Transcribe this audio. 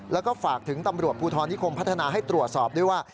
แล้วก็ฝากถึงตำรวจภูทรนิคมพัฒนาให้ตรวจสอบด้วยว่า